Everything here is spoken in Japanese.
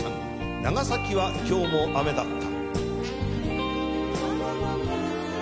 『長崎は今日も雨だった』。